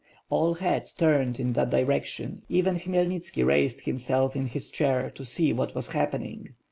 All heads turned in that direction, even Khmyelnitski raised himself in hia chair to see what was happening.